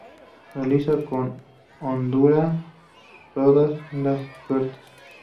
Realiza con hondura todas las suertes.